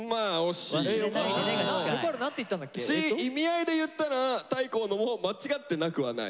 し意味合いで言ったら大光のも間違ってなくはない。